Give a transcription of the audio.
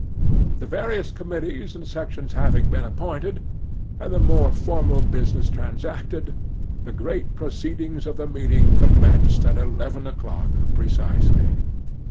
The various committees and sections having been appointed, and the more formal business transacted, the great proceedings of the meeting commenced at eleven o'clock precisely.